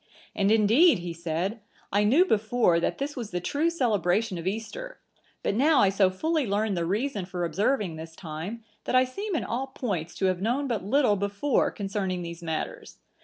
"And indeed," he said, "I knew before, that this was the true celebration of Easter, but now I so fully learn the reason for observing this time, that I seem in all points to have known but little before concerning these matters.